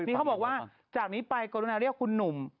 นี่เขาบอกว่าจากนี้ไปกรุณาเรียกคุณหนุ่ม